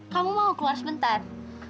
kamu mau keluar sebentar